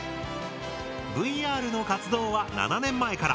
ＶＲの活動は７年前から。